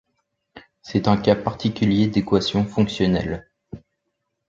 C'est un cas particulier d'équation fonctionnelle.